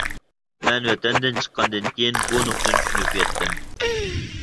مەن ۋەتەندىن چىققاندىن كېيىن بۇ نۇقتىنى چۈشىنىپ يەتتىم.